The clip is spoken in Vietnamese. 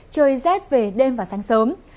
trời rét về đêm và sáng sớm